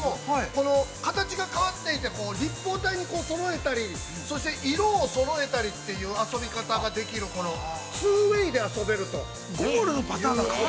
この形が変わっていて立方体にそろえたり、そして色をそろえたりという遊び方ができる２ＷＡＹで遊べると。